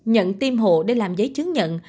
nhận tiêm hộ để làm giấy chứng nhận